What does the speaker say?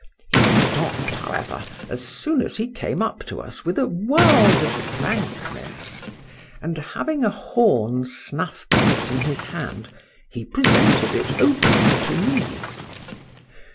—He stopp'd, however, as soon as he came up to us, with a world of frankness: and having a horn snuff box in his hand, he presented it open to me.